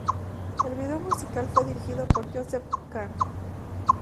El video musical fue dirigido por Joseph Kahn.